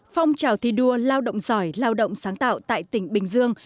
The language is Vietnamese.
phong trào thi đua lao động giỏi lao động sáng tạo tại tỉnh bình dương